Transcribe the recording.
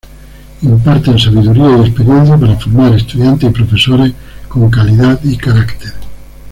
Imparten sabiduría y experiencia para formar estudiantes y profesores con calidad y carácter.